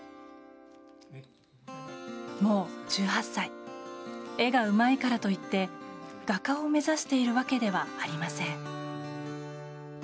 もう１８歳絵がうまいからといって画家を目指しているわけではありません。